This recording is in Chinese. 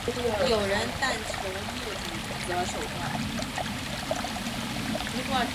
有人但求目的不择手段。